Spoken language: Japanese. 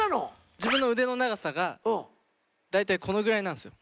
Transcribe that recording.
自分の腕の長さが大体このぐらいなんですよ。